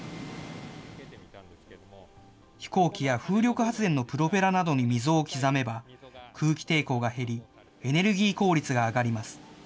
飛行機や風力発電のプロペラなどに溝を刻めば、空気抵抗が減り、エネルギー効率が上がります。